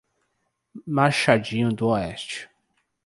Machadinho d'Oeste